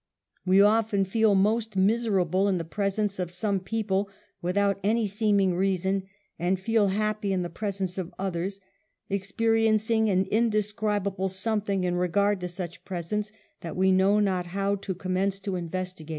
We often feel most miserable in the presence of some people without any seeming reason, and feel happy in the presence of others, experiencing an in describable something in regard to such presence, that we know not how to commence to investio^ate.